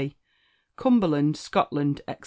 Cumberland, Scotland, &c.